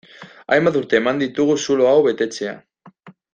Hainbat urte eman ditugu zulo hau betetzea.